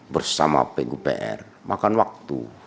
bersama pupr makan waktu